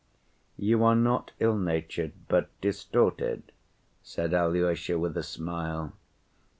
"You are not ill‐natured, but distorted," said Alyosha with a smile.